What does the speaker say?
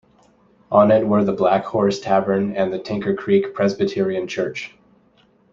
On it were the Black Horse Tavern and the Tinker Creek Presbyterian Church.